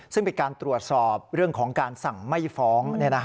ซึ่งเป็นการตรวจสอบเรื่องของการสั่งไม่ฟ้อง